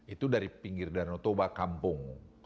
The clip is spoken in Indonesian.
itu dari pinggir danau toba kampung